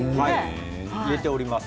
入れております。